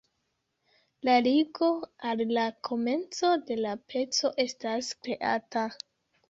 La ligo al la komenco de la peco estas kreata.